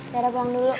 dara pulang dulu